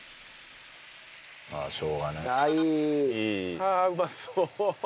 ああうまそう。